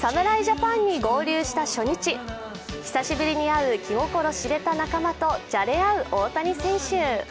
侍ジャパンに合流した初日、久しぶりに会う気心知れた仲間とじゃれ合う大谷選手。